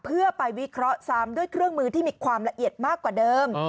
เพื่อไปวิเคราะห์ซ้ำด้วยเครื่องมือที่มีความละเอียดมากกว่าเดิม